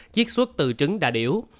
chiếc xuất từ trứng đà điểu